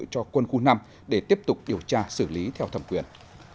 cho quân khu năm để tiếp tục điều tra xử lý theo thẩm quyền